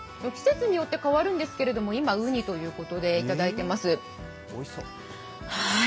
季節によって変わるんですけど、今うにということで、いただいています。